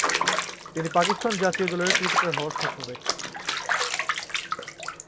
তিনি পাকিস্তান জাতীয় দলের ক্রিকেটার হওয়ার স্বপ্ন দেখতেন।